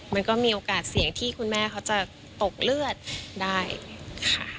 มันก็มีโอกาสเสี่ยงที่คุณแม่เขาจะตกเลือดได้ค่ะ